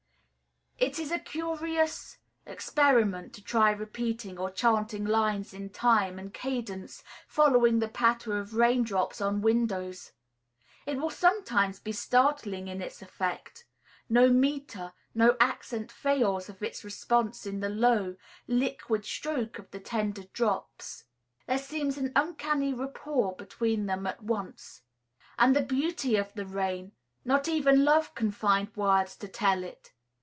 It is a curious experiment to try repeating or chanting lines in time and cadence following the patter of raindrops on windows. It will sometimes be startling in its effect: no metre, no accent fails of its response in the low, liquid stroke of the tender drops, there seems an uncanny rapport between them at once. And the beauty of the rain, not even love can find words to tell it.